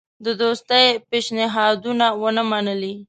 د دوستی پېشنهادونه ونه منلې.